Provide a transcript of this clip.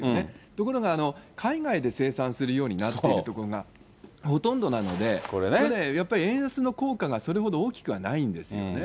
ところが、海外で生産するようになっているところがほとんどなので、やっぱり円安の効果がそれほど大きくはないんですよ。